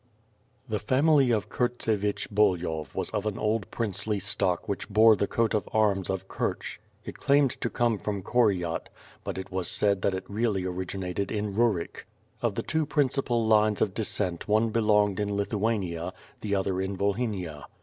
The family of Kurtsevich Bulyhov was of an old princely stock which bore the coat of arms of Kureli; it claimed to come from Koryat, but it was said that it really originated in Ruryk. Of the two principal lines of descent one belonged in Lithuania, the other in Volhynia.